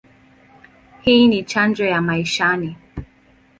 Hii ni chanjo ya maishani.